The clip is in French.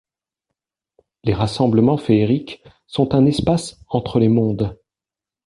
Les rassemblements féeriques sont un espace entre les mondes.